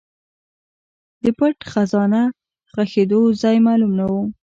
د پټ خزانه ښخېدو ځای معلوم نه و.